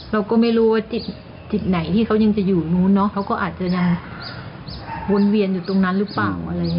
เราก็ไม่รู้ว่าจิตไหนที่เขายังจะอยู่นู้นเนอะเขาก็อาจจะยังวนเวียนอยู่ตรงนั้นหรือเปล่าอะไรอย่างนี้